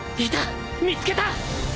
見つけた！